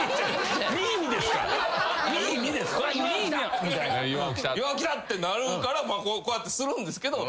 「岩尾来た」ってなるからこうやってするんですけど。